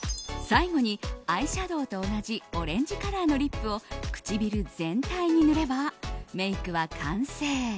最後にアイシャドーと同じオレンジカラーのリップを唇全体に塗ればメイクは完成。